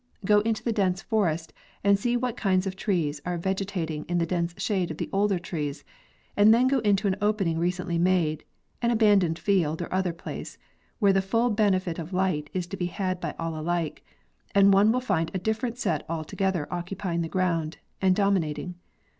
Go into the dense forest and see what kinds of trees are vegetating in the dense shade of the older trees, and then go into an opening re cently made, an abandoned field or other place, where the full benefit of light is to be had by all alike, and one will find a different set altogether occupying the ground and dominating.